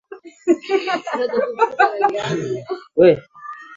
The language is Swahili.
kitovu cha elimu ya juu tangu karne nyingi Mji mkuu wa Misri ulikuwa